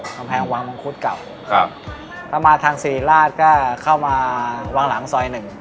กำแพงวางมังคุดเก่าครับแล้วมาทางศรีราชก็เข้ามาวางหลังซอยหนึ่ง